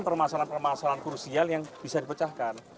permasalahan permasalahan krusial yang bisa dipecahkan